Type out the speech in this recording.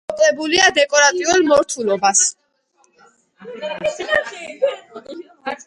ფასადები მოკლებულია დეკორატიულ მორთულობას.